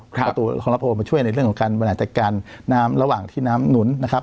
ประตูของลาโอมาช่วยในเรื่องของการบริหารจัดการน้ำระหว่างที่น้ำหนุนนะครับ